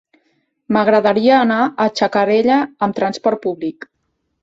M'agradaria anar a Xacarella amb transport públic.